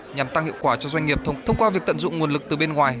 nhằm tăng hiệu quả cho doanh nghiệp thông qua việc tận dụng nguồn lực từ bên ngoài